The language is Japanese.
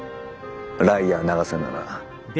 ライアー永瀬なら。